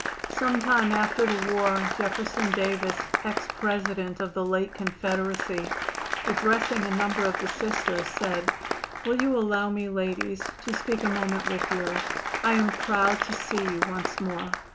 Some time after the war Jefferson Davis, ex President of the late Confederacy, addressing a number of the Sisters, said: "Will you allow me, ladies, to speak a moment with you? I am proud to see you once more.